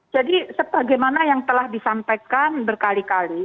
jadi sebagaimana yang telah disampaikan berkali kali